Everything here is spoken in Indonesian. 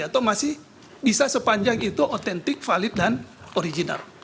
atau masih bisa sepanjang itu otentik valid dan original